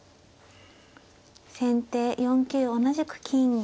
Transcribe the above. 先手４九同じく金。